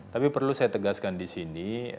tapi perlu saya tegaskan di sini